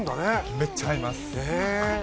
めっちゃ合います。